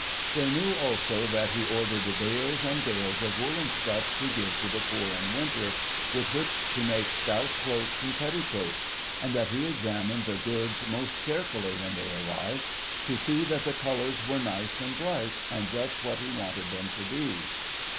They knew also that he ordered bales and bales of woollen stuff to give to the poor in winter, with which to make stout cloaks and petticoats, and that he examined the goods most carefully when they arrived, to see that the colours were nice and bright, and just what he wanted them to be.